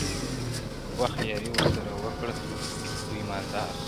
وخت یاري ور سره وکړه لوی مالدار سو،